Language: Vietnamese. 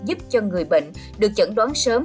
giúp cho người bệnh được chẩn đoán sớm